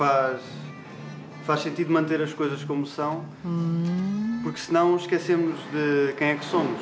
ふん。